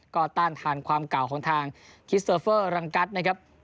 ก็ต้านทานความเก่าของทางคิสเตอร์เฟอร์รังกัสนะครับ